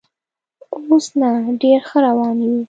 اوس نه، ډېر ښه روان یو.